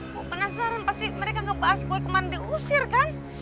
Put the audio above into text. gue penasaran pasti mereka ngepas gue kemana diusir kan